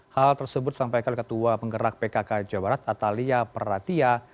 hal tersebut sampai kali ketua penggerak pkk jawa barat atalia peratia